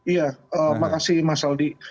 iya makasih mas aldi